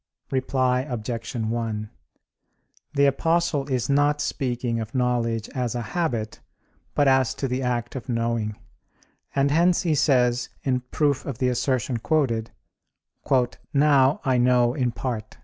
Reply Obj. 1: The Apostle is not speaking of knowledge as a habit, but as to the act of knowing; and hence he says, in proof of the assertion quoted, "Now, I know in part."